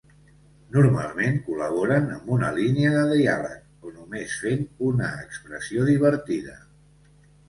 Normalment col·laboren amb una línia de diàleg o només fent una expressió divertida.